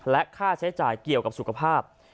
และค่าใช้จ่ายเกี่ยวกับสุขภาพ